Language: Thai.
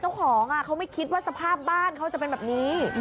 เจ้าของเขาไม่คิดว่าสภาพบ้านเขาจะเป็นแบบนี้